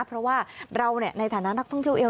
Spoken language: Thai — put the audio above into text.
เพราะว่าเราในฐานะนักท่องเที่ยวเอล